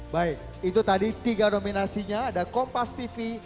baik itu tadi tiga dominasinya ada kompas tv